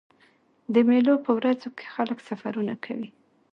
د مېلو په ورځو کښي خلک سفرونه کوي.